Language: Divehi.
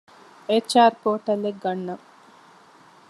އެޗް.އާރު ޕޯޓަލްއެއް ގަންނަން